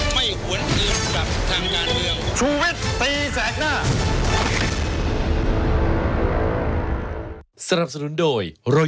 ไม่หวนเอียดกับทางงานเดียว